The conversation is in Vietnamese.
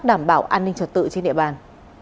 đảm bảo an ninh trật tự trên địa bàn